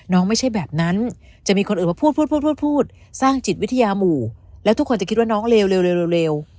น้องไม่ใช่แบบนั้นจะมีคนอื่นพูดสร้างจิตวิทยาหมู่แล้วทุกคนจะคิดว่าน้องเลว